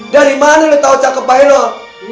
dari mana lu tau cakep bhenel